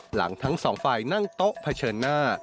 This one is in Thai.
หลังทั้งสองฝ่ายนั่งโต๊ะเผชิญหน้า